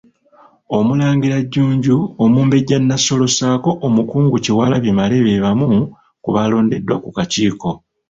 Omulangira Jjunju, Omumbejja Nassolo ssaako Omukungu Kyewalabye Male be bamu ku baalondeddwa ku kakiiko.